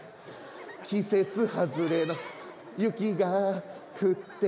「季節はずれの雪が降ってる」